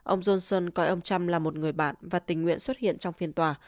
ông johnson coi ông trump là một người bạn và tình nguyện xuất hiện trong phiên tòa